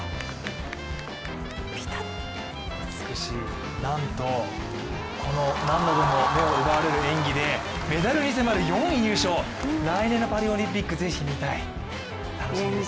美しい、何度も目を奪われる演技でメダルに迫る４位入賞、来年のパリオリンピック、ぜひ見たい、楽しみですね。